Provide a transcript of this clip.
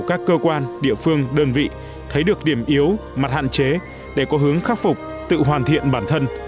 các cơ quan địa phương đơn vị thấy được điểm yếu mặt hạn chế để có hướng khắc phục tự hoàn thiện bản thân